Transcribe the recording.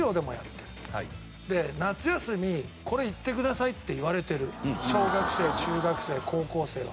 で夏休みこれ行ってくださいって言われてる小学生中学生高校生は。